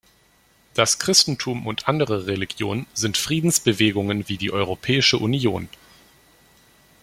Das Christentum und andere Religionen sind Friedensbewegungen wie die Europäische Union.